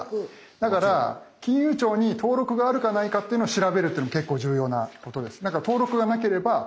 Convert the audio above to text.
だから金融庁に登録があるかないかっていうのを調べるっていうの結構重要なことです。